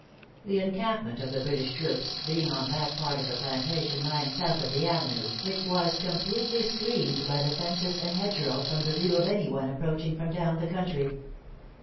The encampment of the British troops being on that part of the plantation lying south of the avenue, it was completely screened by the fences and hedge row from the view of any one approaching from down the country.